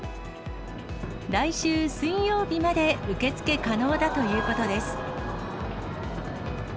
来週水曜日まで受け付け可能だということです。